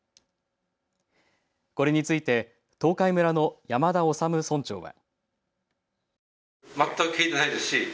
これについて東海村の山田修村長は。